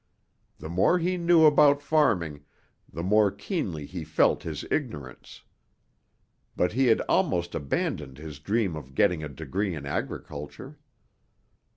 The more he knew about farming, the more keenly he felt his ignorance. But he had almost abandoned his dream of getting a degree in agriculture.